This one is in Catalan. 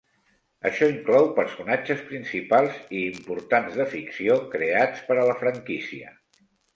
Això inclou personatges principals i importants de ficció creats per a la franquícia.